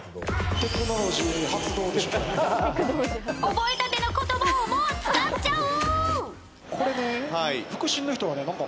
覚えたての言葉をもう使っちゃう！